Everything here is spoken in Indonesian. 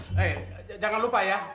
eh jangan lupa ya